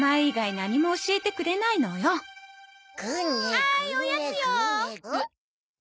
はーいおやつよ！